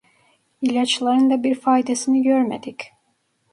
İlaçların da bir faydasını görmedik!